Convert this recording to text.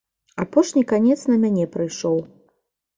Апошні канец на мяне прыйшоў.